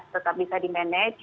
tetap bisa di manage